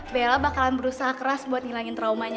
bella bakalan berusaha keras buat ngilangin traumanya